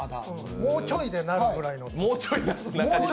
もうちょいでなるぐらいの。